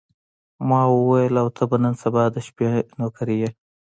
ما وویل: او ته به نن بیا د شپې نوکري یې.